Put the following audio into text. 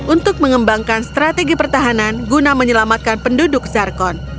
untuk mengembangkan strategi pertahanan guna menyelamatkan penduduk zarkon